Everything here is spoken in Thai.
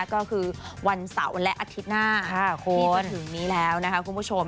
ก็คือวันเสาร์และอาทิตย์หน้าที่จะถึงนี้แล้วนะคะคุณผู้ชม